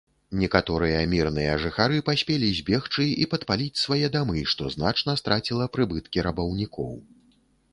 Некаторыя мірныя жыхары паспелі збегчы і падпаліць свае дамы, што значна страціла прыбыткі рабаўнікоў.